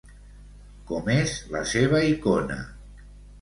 Com és la seva icona?